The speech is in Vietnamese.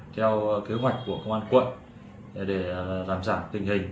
theo kế hoạch của công an quận để giảm giảm tình hình